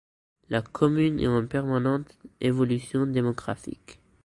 La commune est en permanente évolution démographique.